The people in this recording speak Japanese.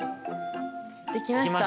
できました。